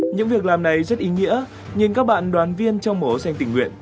những việc làm này rất ý nghĩa nhìn các bạn đoàn viên trong mổ xanh tình nguyện